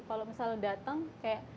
kalau misal datang kayak